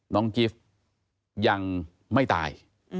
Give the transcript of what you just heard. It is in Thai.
น้องกิฟต์ยังไม่ตาย